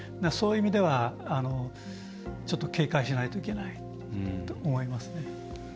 そういう意味ではちょっと警戒しないといけないと思いますね。